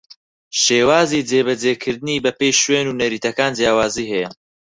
شێوازی جێبەجێکردنی بەپێی شوێن و نەریتەکان جیاوازی ھەیە